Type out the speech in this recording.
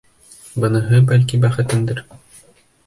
— Быныһы, бәлки, бәхетеңдер.